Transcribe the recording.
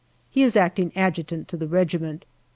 He is acting Adjutant to the regiment.